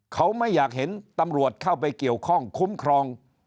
เขาไม่อยากเห็นตำรวจเข้าไปเกี่ยวข้องคุ้มครอง